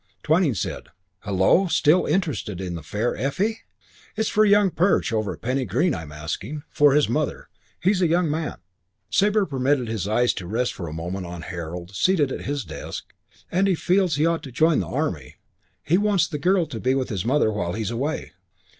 Twyning said, "Hullo, still interested in the fair Effie?" "It's for young Perch over at Penny Green I'm asking. For his mother. He's a young man" Sabre permitted his eyes to rest for a moment on Harold, seated at his desk "and he feels he ought to join the army. He wants the girl to be with his mother while he's away."